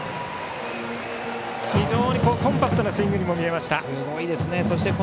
非常にコンパクトなスイングにも見えました。